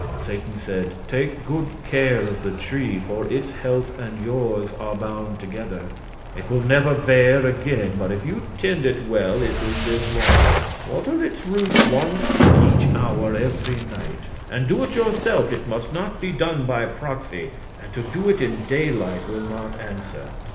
Satan said: "Take good care of the tree, for its health and yours are bound together. It will never bear again, but if you tend it well it will live long. Water its roots once in each hour every night and do it yourself; it must not be done by proxy, and to do it in daylight will not answer.